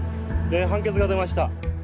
判決が出ました。